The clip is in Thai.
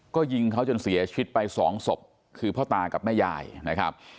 ก็ยิงเขาจนเสียชีวิตไปสองศพคือพ่อตากับแม่ยายนะครับ